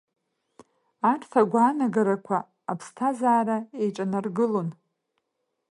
Арҭ агәаанагарақәа аԥсҭазаара еиҿанаргылон.